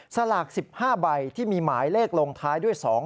สลาก๑๕ใบที่มีหมายเลขลงท้ายด้วย๒๕๖